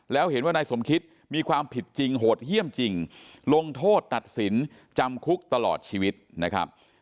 แล้วเห็นว่านายสมคิตมีความผิดจริงโหดเยี่ยมจริงลงโทษตัดสินจำคุกตลอดชีวิตนะครับ